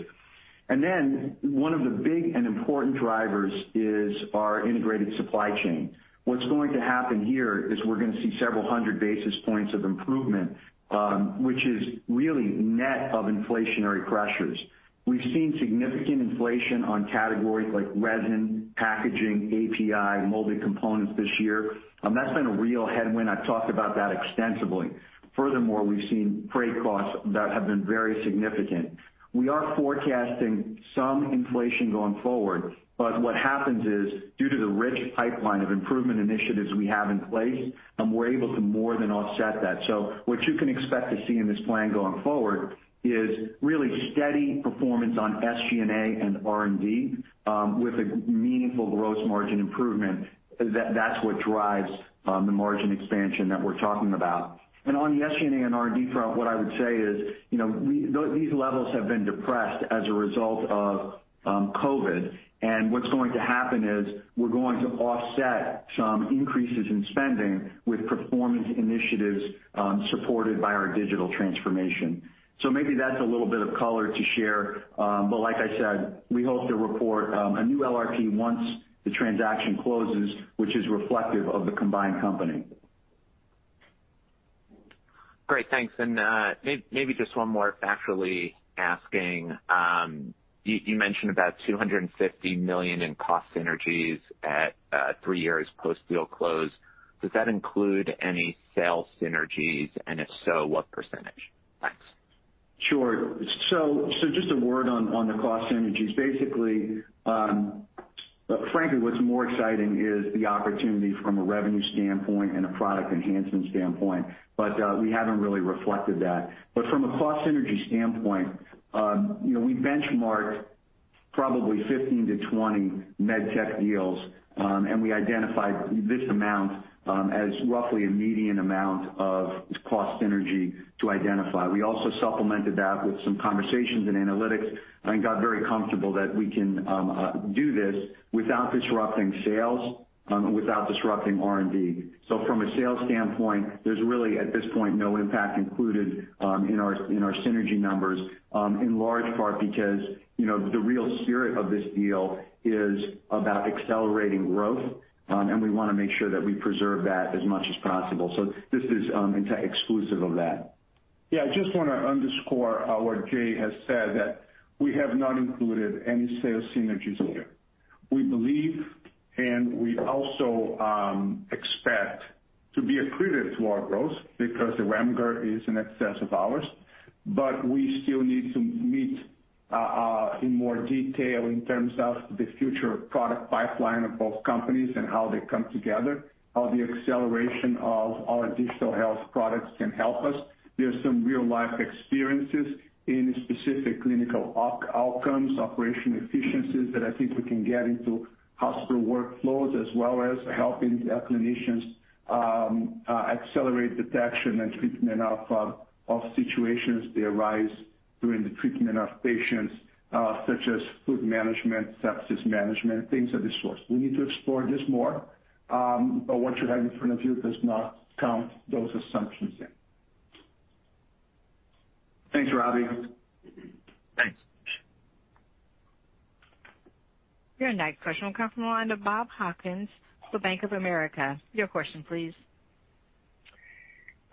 Speaker 5: Then one of the big and important drivers is our integrated supply chain. What's going to happen here is we're going to see several hundred basis points of improvement, which is really net of inflationary pressures. We've seen significant inflation on categories like resin, packaging, API, molded components this year. That's been a real headwind. I've talked about that extensively. Furthermore, we've seen freight costs that have been very significant. What happens is, due to the rich pipeline of improvement initiatives we have in place, we're able to more than offset that. What you can expect to see in this plan going forward is really steady performance on SG&A and R&D with a meaningful gross margin improvement. That's what drives the margin expansion that we're talking about. On the SG&A and R&D front, what I would say is, these levels have been depressed as a result of COVID and what's going to happen is we're going to offset some increases in spending with performance initiatives supported by our digital transformation. Maybe that's a little bit of color to share. Like I said, we hope to report a new LRP once the transaction closes, which is reflective of the combined company.
Speaker 7: Great. Thanks. Maybe just one more factually asking. You mentioned about $250 million in cost synergies at three years post-deal close. Does that include any sales synergies? If so, what percentage? Thanks.
Speaker 5: Sure. Just a word on the cost synergies. Basically, frankly, what's more exciting is the opportunity from a revenue standpoint and a product enhancement standpoint. We haven't really reflected that. From a cost synergy standpoint, we benchmarked probably 15-20 medtech deals, and we identified this amount as roughly a median amount of cost synergy to identify. We also supplemented that with some conversations and analytics and got very comfortable that we can do this without disrupting sales, without disrupting R&D. From a sales standpoint, there's really at this point, no impact included in our synergy numbers, in large part because the real spirit of this deal is about accelerating growth, and we want to make sure that we preserve that as much as possible. This is exclusive of that.
Speaker 3: Yeah, I just want to underscore what Jay has said, that we have not included any sales synergies here. We believe, and we also expect to be accretive to our growth because the WAMAGR is in excess of ours, but we still need to meet in more detail in terms of the future product pipeline of both companies and how they come together, how the acceleration of our digital health products can help us. There's some real-life experiences in specific clinical outcomes, operation efficiencies that I think we can get into hospital workflows, as well as helping the clinicians accelerate detection and treatment of situations that arise during the treatment of patients, such as fluid management, sepsis management, things of this sort. We need to explore this more. What you have in front of you does not count those assumptions in.
Speaker 5: Thanks, Robbie.
Speaker 7: Thanks.
Speaker 1: Your next question will come from the line of Bob Hopkins for Bank of America. Your question, please.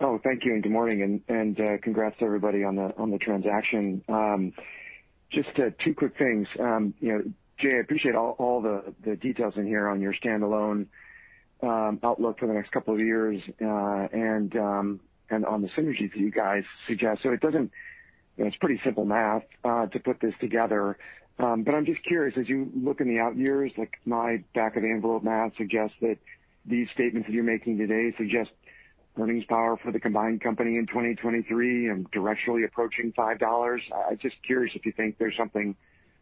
Speaker 8: Oh, thank you, and good morning, and congrats, everybody, on the transaction. Just two quick things. Jay, I appreciate all the details in here on your standalone outlook for the next couple of years, and on the synergies that you guys suggest. It's pretty simple math to put this together. I'm just curious, as you look in the out years, like my back of envelope math suggests that these statements that you're making today suggest earnings power for the combined company in 2023 and directionally approaching $5. I was just curious if you think there's something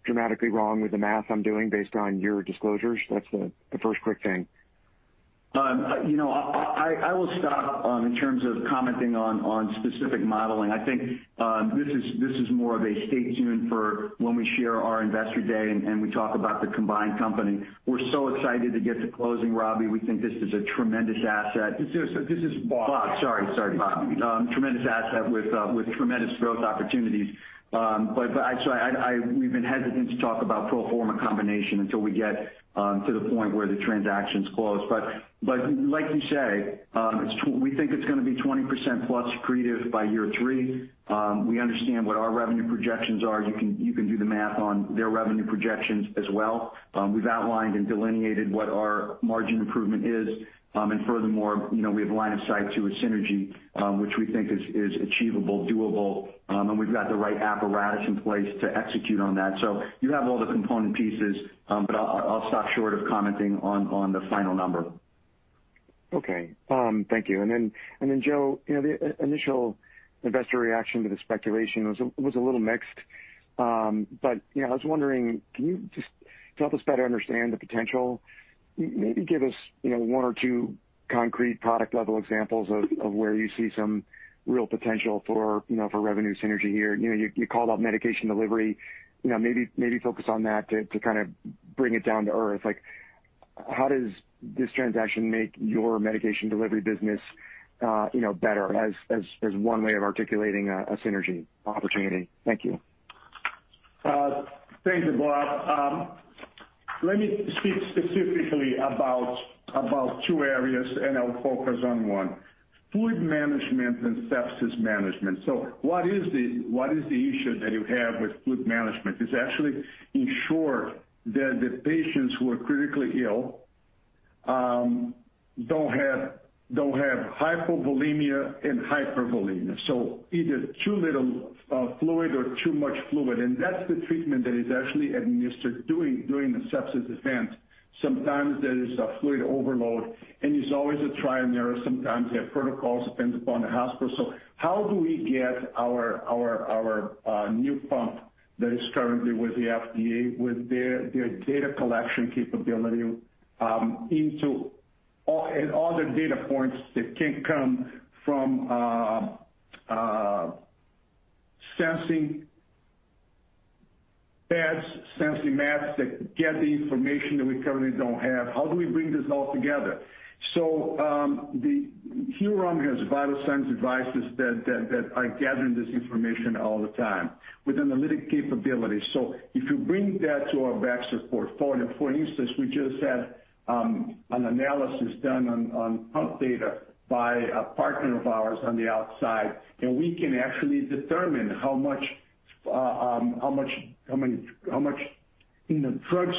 Speaker 8: dramatically wrong with the math I'm doing based on your disclosures? That's the first quick thing.
Speaker 5: I will stop in terms of commenting on specific modeling. I think this is more of a stay tuned for when we share our investor day and we talk about the combined company. We're so excited to get to closing, Robbie. We think this is a tremendous asset.
Speaker 3: This is Bob.
Speaker 5: Bob, sorry. Sorry, Bob. Tremendous asset with tremendous growth opportunities. Actually, we've been hesitant to talk about pro forma combination until we get to the point where the transaction's closed. Like you say, we think it's going to be 20%+ accretive by year three. We understand what our revenue projections are. You can do the math on their revenue projections as well. We've outlined and delineated what our margin improvement is. Furthermore, we have a line of sight to a synergy, which we think is achievable, doable, and we've got the right apparatus in place to execute on that. You have all the component pieces, but I'll stop short of commenting on the final number.
Speaker 8: Okay. Thank you. Joe, the initial investor reaction to the speculation was a little mixed. I was wondering, can you just help us better understand the potential? Maybe give us one or two concrete product-level examples of where you see some real potential for revenue synergy here. You called out Medication Delivery. Maybe focus on that to kind of bring it down to earth. How does this transaction make your Medication Delivery business better as one way of articulating a synergy opportunity? Thank you.
Speaker 3: Thank you, Bob. Let me speak specifically about two areas, and I'll focus on one. Fluid management and sepsis management. What is the issue that you have with fluid management? It's actually ensure that the patients who are critically ill don't have hypovolemia and hypervolemia, so either too little fluid or too much fluid. That's the treatment that is actually administered during the sepsis event. Sometimes there is a fluid overload, and it's always a trial and error. Sometimes they have protocols, depends upon the hospital. How do we get our new pump that is currently with the FDA, with their data collection capability, and other data points that can come from sensing pads, sensing mats that get the information that we currently don't have. How do we bring this all together? Hillrom has vital signs devices that are gathering this information all the time with analytic capability. If you bring that to our Baxter portfolio, for instance, we just had an analysis done on pump data by a partner of ours on the outside, and we can actually determine how much drug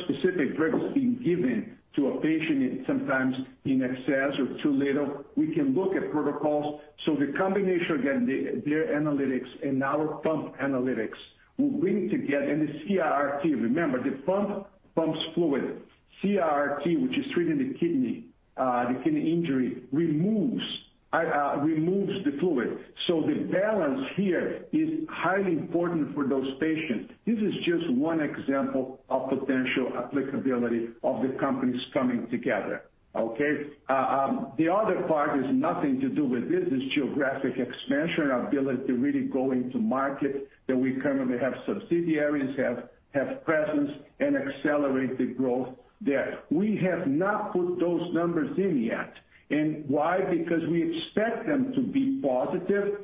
Speaker 3: specific, drugs being given to a patient, and sometimes in excess or too little. We can look at protocols. The combination, again, their analytics and our pump analytics will bring together, and the CRRT, remember, the pump pumps fluid. CRRT, which is treating the kidney injury, removes the fluid. The balance here is highly important for those patients. This is just one example of potential applicability of the companies coming together. Okay? The other part is nothing to do with this, is geographic expansion ability, really going to market that we currently have subsidiaries, have presence and accelerate the growth there. We have not put those numbers in yet. Why? Because we expect them to be positive.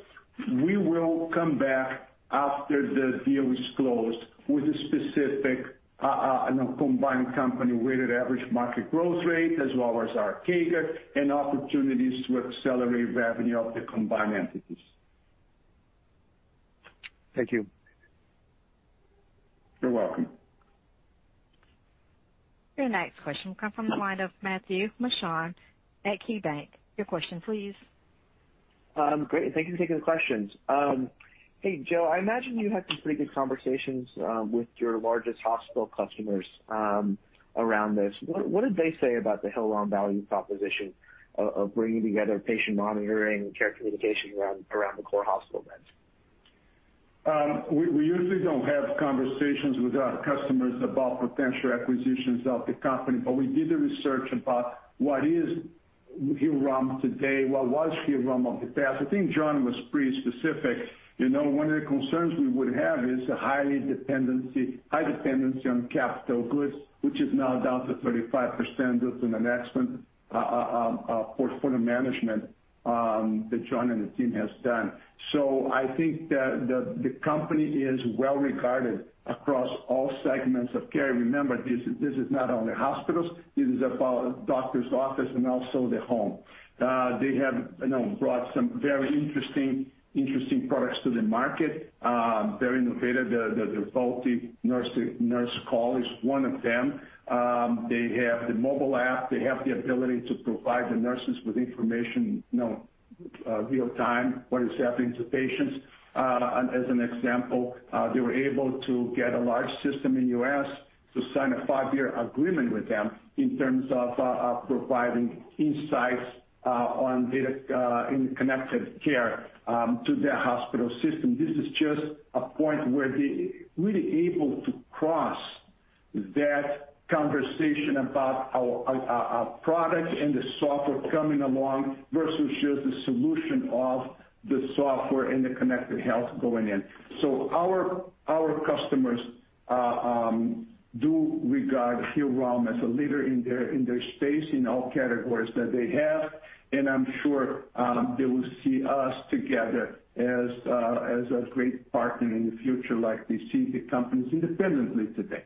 Speaker 3: We will come back after the deal is closed with a specific combined company Weighted Average Market Growth Rate as well as our CAGR and opportunities to accelerate revenue of the combined entities.
Speaker 8: Thank you.
Speaker 3: You're welcome.
Speaker 1: Your next question come from the line of Matthew Mishan at KeyBanc. Your question, please.
Speaker 9: Great. Thank you for taking the questions. Hey, Joe, I imagine you had some pretty good conversations with your largest hospital customers around this. What did they say about the Hillrom value proposition of bringing together patient monitoring and care communication around the core hospital beds?
Speaker 3: We usually don't have conversations with our customers about potential acquisitions of the company, but we did the research about what is Hillrom today, what was Hillrom of the past. I think John was pretty specific. One of the concerns we would have is the high dependency on capital goods, which is now down to 35% due to the excellent portfolio management that John and the team has done. I think that the company is well-regarded across all segments of care. Remember, this is not only hospitals, this is about doctor's office and also the home. They have brought some very interesting products to the market. Very innovative. Their Voalte Nurse Call is one of them. They have the mobile app. They have the ability to provide the nurses with information, real time, what is happening to patients. As an example, they were able to get a large system in the U.S. to sign a five-year agreement with them in terms of providing insights on data in Connected Care to their hospital system. This is just a point where they're really able to cross that conversation about our product and the software coming along versus just the solution of the software and the connected health going in. Our customers do regard Hillrom as a leader in their space, in all categories that they have, and I'm sure they will see us together as a great partner in the future like they see the companies independently today.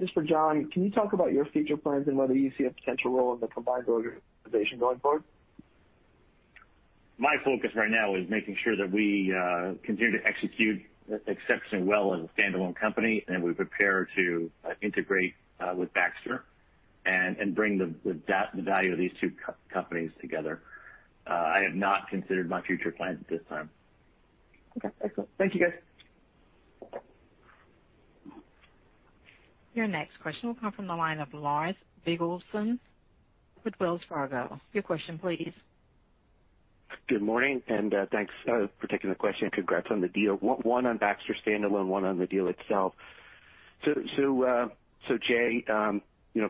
Speaker 9: Just for John, can you talk about your future plans and whether you see a potential role in the combined organization going forward?
Speaker 4: My focus right now is making sure that we continue to execute exceptionally well as a standalone company, and we prepare to integrate with Baxter and bring the value of these two companies together. I have not considered my future plans at this time.
Speaker 9: Okay, excellent. Thank you, guys.
Speaker 1: Your next question will come from the line of Larry Biegelsen with Wells Fargo. Your question, please.
Speaker 10: Good morning, and thanks for taking the question. Congrats on the deal. One on Baxter standalone, one on the deal itself. Jay,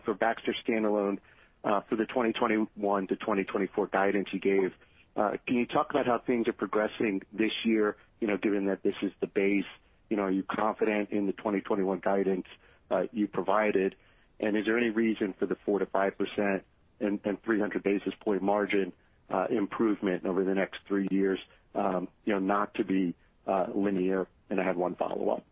Speaker 10: for Baxter standalone, for the 2021-2024 guidance you gave, can you talk about how things are progressing this year, given that this is the base? Are you confident in the 2021 guidance you provided, is there any reason for the 4%-5% and 300 basis point margin improvement over the next three years not to be linear? I have one follow-up.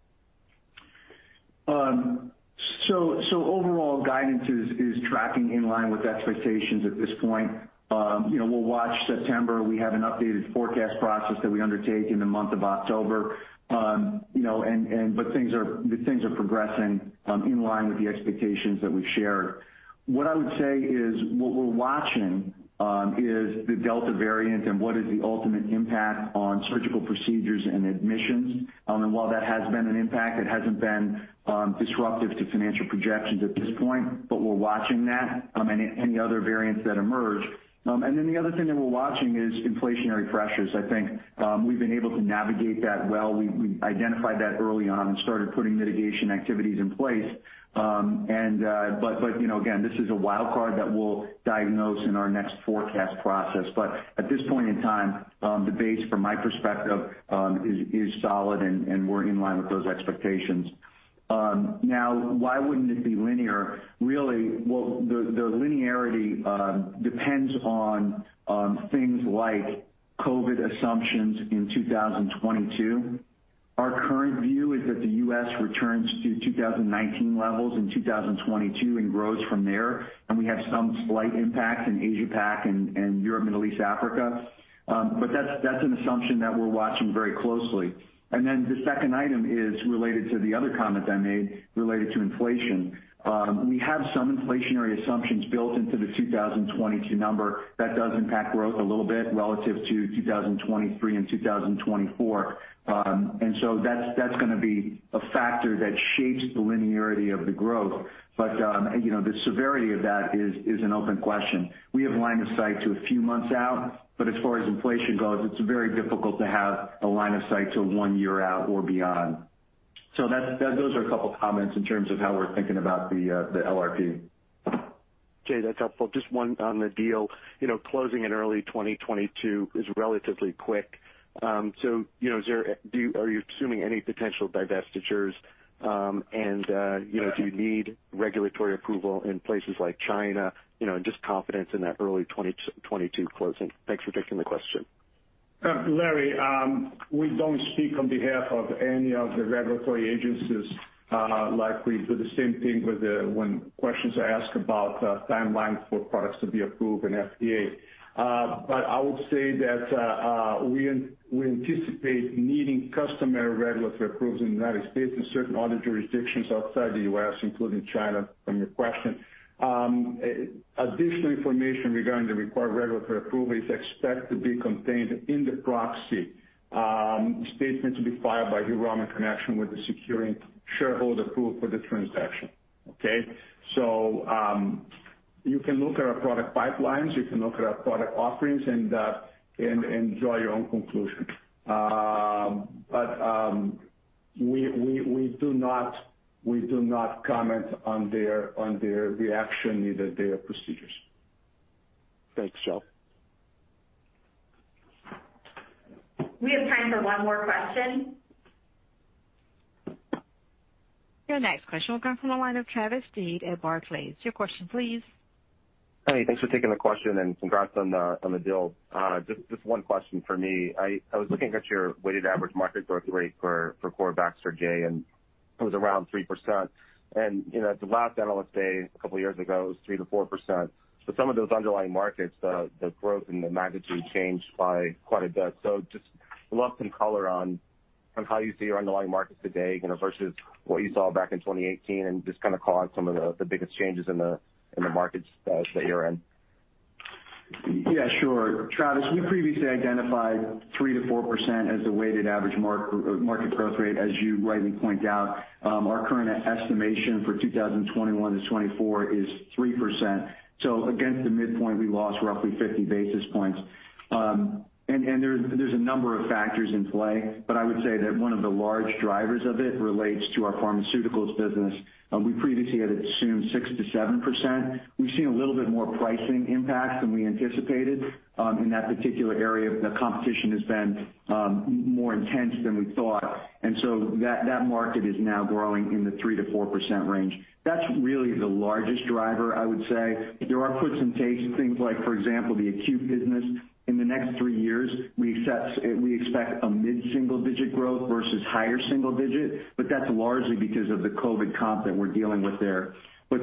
Speaker 5: Overall guidance is tracking in line with expectations at this point. We'll watch September. We have an updated forecast process that we undertake in the month of October. Things are progressing in line with the expectations that we've shared. What I would say is what we're watching is the Delta variant and what is the ultimate impact on surgical procedures and admissions. While that has been an impact, it hasn't been disruptive to financial projections at this point, but we're watching that and any other variants that emerge. The other thing that we're watching is inflationary pressures. I think we've been able to navigate that well. We identified that early on and started putting mitigation activities in place. Again, this is a wild card that we'll diagnose in our next forecast process. At this point in time, the base, from my perspective, is solid, and we're in line with those expectations. Why wouldn't it be linear? The linearity depends on things like COVID assumptions in 2022. Our current view is that the U.S. returns to 2019 levels in 2022 and grows from there, and we have some slight impact in Asia-Pac and Europe, Middle East, Africa. That's an assumption that we're watching very closely. The second item is related to the other comment I made related to inflation. We have some inflationary assumptions built into the 2022 number that does impact growth a little bit relative to 2023 and 2024. That's going to be a factor that shapes the linearity of the growth. The severity of that is an open question. We have line of sight to a few months out, but as far as inflation goes, it's very difficult to have a line of sight to one year out or beyond. Those are a couple of comments in terms of how we're thinking about the LRP.
Speaker 10: Jay, that's helpful. Just one on the deal. Closing in early 2022 is relatively quick. Are you assuming any potential divestitures? Do you need regulatory approval in places like China, and just confidence in that early 2022 closing? Thanks for taking the question.
Speaker 3: Larry, we don't speak on behalf of any of the regulatory agencies. Like we do the same thing when questions are asked about timelines for products to be approved in FDA. I would say that we anticipate needing customary regulatory approvals in the United States and certain other jurisdictions outside the U.S., including China, from your question. Additional information regarding the required regulatory approval is expected to be contained in the proxy statements to be filed by Hillrom in connection with the securing shareholder approval for the transaction. Okay? You can look at our product pipelines, you can look at our product offerings and draw your own conclusions. We do not comment on the action needed, their procedures.
Speaker 10: Thanks, Joe.
Speaker 2: We have time for one more question.
Speaker 1: Your next question will come from the line of Travis Steed at Barclays. Your question, please.
Speaker 11: Hey, thanks for taking the question and congrats on the deal. Just one question from me. I was looking at your Weighted Average Market Growth Rate for core Baxter, Jay, and it was around 3%. At the last Analyst Day a couple of years ago, it was 3%-4%. Some of those underlying markets, the growth and the magnitude changed by quite a bit. Just would love some color on how you see your underlying markets today versus what you saw back in 2018 and just kind of call out some of the biggest changes in the markets that you're in.
Speaker 5: Travis, we previously identified 3%-4% as the Weighted Average Market Growth Rate, as you rightly point out. Our current estimation for 2021-2024 is 3%. So against the midpoint, we lost roughly 50 basis points. There's a number of factors in play, but I would say that one of the large drivers of it relates to our pharmaceuticals business. We previously had assumed 6%-7%. We've seen a little bit more pricing impact than we anticipated in that particular area. The competition has been more intense than we thought, and so that market is now growing in the 3%-4% range. That's really the largest driver, I would say. There are puts and takes, things like, for example, the acute business. In the next three years, we expect a mid-single-digit growth versus higher single digit, but that's largely because of the COVID comp that we're dealing with there.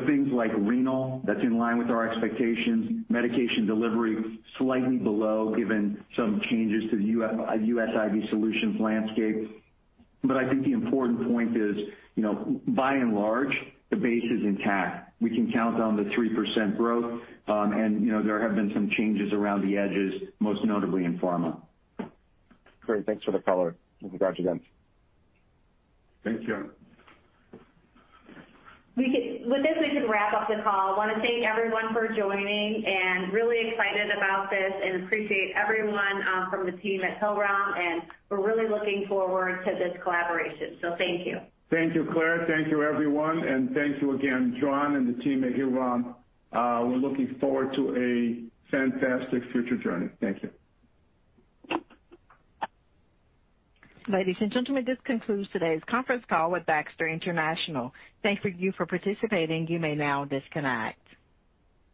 Speaker 5: Things like renal, that's in line with our expectations. Medication Delivery, slightly below, given some changes to the U.S. IV solutions landscape. I think the important point is by and large, the base is intact. We can count on the 3% growth. There have been some changes around the edges, most notably in pharma.
Speaker 11: Great. Thanks for the color. Congrats again.
Speaker 3: Thank you.
Speaker 2: With this, we can wrap up the call. I want to thank everyone for joining and really excited about this and appreciate everyone from the team at Hillrom, and we're really looking forward to this collaboration. Thank you.
Speaker 3: Thank you, Clare. Thank you, everyone. Thank you again, John and the team at Hillrom. We're looking forward to a fantastic future journey. Thank you.
Speaker 1: Ladies and gentlemen, this concludes today's conference call with Baxter International. Thank you for participating. You may now disconnect.